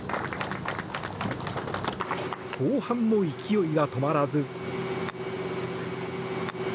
後半も勢いは止まらず。